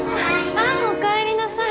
ああおかえりなさい。